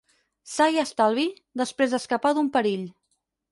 Sa i estalvi, després d'escapar d'un perill.